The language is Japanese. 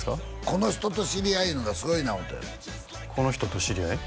この人と知り合いいうのがすごいな思うたよこの人と知り合い？